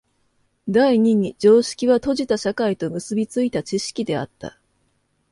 第二に常識は閉じた社会と結び付いた知識であった。